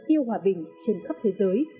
yêu hòa bình trên khắp thế giới